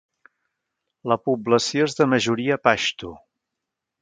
La població és de majoria paixtu.